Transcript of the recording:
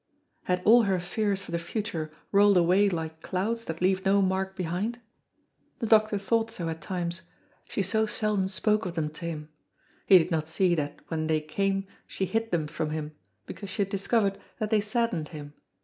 Had all her fears for the future rolled away like clouds that leave no mark behind? The doctor thought so at times, she so seldom spoke of them to him; he did not see that when they came she hid them from him because she had discovered that they saddened him.